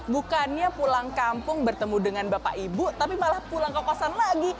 bukannya pulang kampung bertemu dengan bapak ibu tapi malah pulang ke kosan lagi